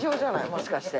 もしかして。